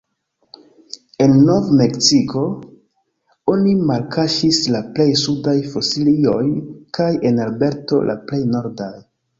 En Nov-Meksiko oni malkaŝis la plej sudaj fosilioj kaj en Alberto la plej nordaj.